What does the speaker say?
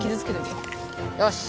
よし。